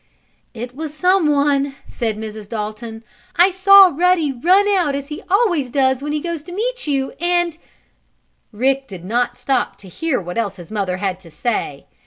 "It was someone," said Mrs. Dalton. "I saw Ruddy run out as he always does when he goes to meet you, and " Rick did not stop to hear what else his mother had to say.